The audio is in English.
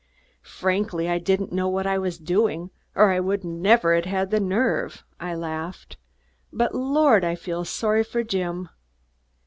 "Frankly, I didn't know what I was doing, or I would never have had the nerve," I laughed. "But, lord! I feel sorry for Jim."